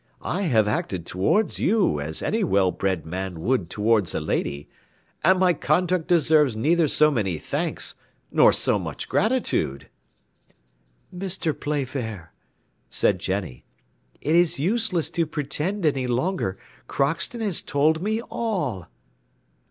I have acted towards you as any well bred man would towards a lady, and my conduct deserves neither so many thanks nor so much gratitude." "Mr. Playfair," said Jenny, "it is useless to pretend any longer; Crockston has told me all!"